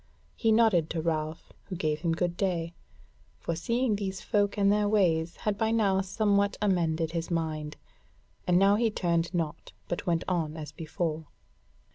He nodded to Ralph, who gave him good day; for seeing these folk and their ways had by now somewhat amended his mind; and now he turned not, but went on as before.